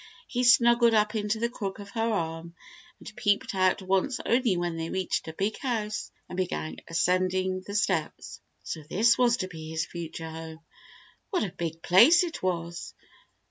He snuggled up into the crook of her arm, and peeped out once only when they reached a big house and began ascending the steps. So this was to be his future home! What a big place it was!